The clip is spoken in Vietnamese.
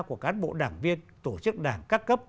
của cán bộ đảng viên tổ chức đảng các cấp